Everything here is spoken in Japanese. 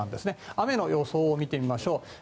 雨の予想を見てみましょう。